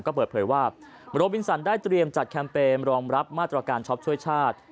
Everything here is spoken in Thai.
มาโมแลวินสันได้เตรียมจัดแคมเปญรองรับมาตรการชอบช่วยชาติ